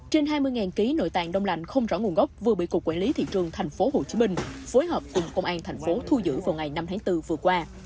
trên hai mươi kg nội tạng đông lạnh không rõ nguồn gốc vừa bị cục quản lý thị trường thành phố hồ chí minh phối hợp cùng công an thành phố thu giữ vào ngày năm tháng bốn vừa qua